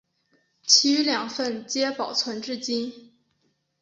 其余两份皆保存至今。